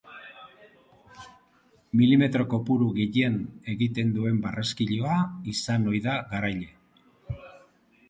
Milimetro kopuru gehien egiten duen barraskiloa izan ohi da garaile.